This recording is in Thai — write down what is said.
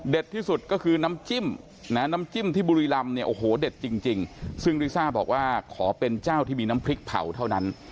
ที่สุดก็คือน้ำจิ้มนะน้ำจิ้มที่บุรีรำเนี่ยโอ้โหเด็ดจริงซึ่งลิซ่าบอกว่าขอเป็นเจ้าที่มีน้ำพริกเผาเท่านั้น